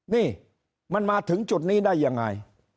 นี่มันมาถึงจุดนี้ได้ยังไง